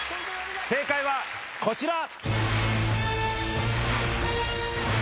正解はこちら！